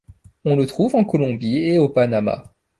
On le trouve en Colombie et au Panama.